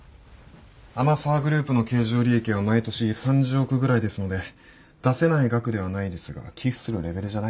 天沢グループの経常利益は毎年３０億ぐらいですので出せない額ではないですが寄付するレベルじゃない。